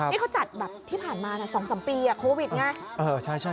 นี่เขาจัดแบบที่ผ่านมา๒๓ปีโควิดไง